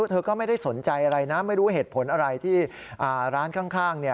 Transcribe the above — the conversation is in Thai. เธอก็ไม่ได้สนใจอะไรนะไม่รู้เหตุผลอะไรที่ร้านข้าง